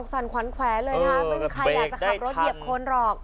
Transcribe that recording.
สั่นขวัญแขวนเลยนะคะไม่มีใครอยากจะขับรถเหยียบคนหรอก